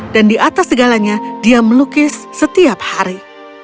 dan di atas segalanya dia melukis setiap hari